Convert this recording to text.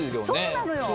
そうなのよ！